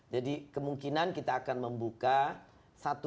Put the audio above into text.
jadi kemungkinan kita akan membuka satu bulan